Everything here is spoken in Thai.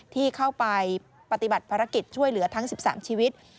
ที่เข้าไปปฏิบัติภารกิจช่วยเหลือทั้ง๑๓ชีวิต